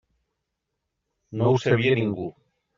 No ho sabia ningú.